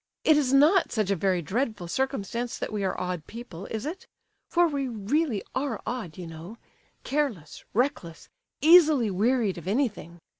"It is not such a very dreadful circumstance that we are odd people, is it? For we really are odd, you know—careless, reckless, easily wearied of anything.